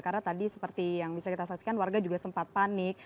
karena tadi seperti yang bisa kita saksikan warga juga sempat panik